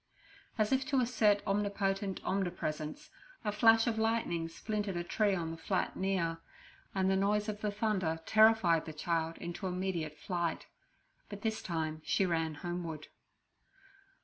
As if to assert omnipotent omnipresence, a flash of lightning splintered a tree on the flat near, and the noise of the thunder terrified the child into immediate flight; but this time she ran homeward.